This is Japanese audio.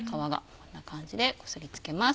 こんな感じでこすりつけます。